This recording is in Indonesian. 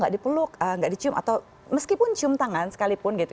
jadi bagaimana kita menguasai hal ini